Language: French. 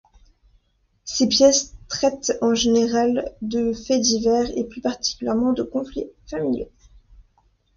Ses pièces traitent en général de faits divers et plus particulièrement de conflits familiaux.